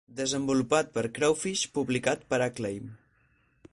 Desenvolupat per Crawfish, publicat per Acclaim.